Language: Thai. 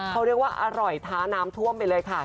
เขาเรียกว่าอร่อยท้าน้ำท่วมไปเลยค่ะ